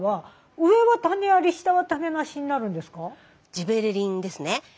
ジベレリンですね。